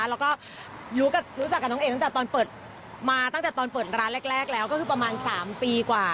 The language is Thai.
แล้วก็รู้จักกับน้องเอตั้งแต่ตอนเปิดมาตั้งแต่ตอนเปิดร้านแรกแล้วก็คือประมาณ๓ปีกว่า